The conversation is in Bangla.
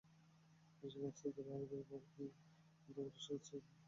মাকসুদুল আলমের বরাত দিয়ে বার্তা সংস্থা এএফপির খবরেও একই কথা বলা হয়।